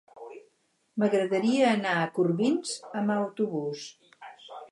M'agradaria anar a Corbins amb autobús.